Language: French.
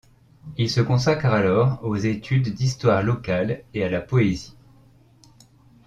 Il se consacre alors aux études d'histoire locales et à la poésie.